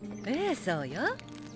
ええそうよ。